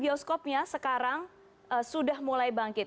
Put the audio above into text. bioskopnya sekarang sudah mulai bangkit